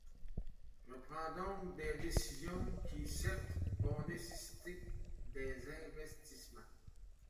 Je prends donc des décisions qui, certes, vont nécessiter des investissements.